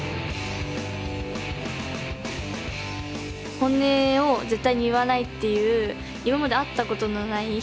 本音を絶対に言わないっていう今まで会ったことのない人たち。